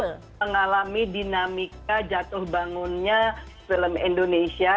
sudah cukup mengalami dinamika jatuh bangunnya film indonesia